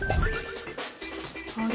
あれ？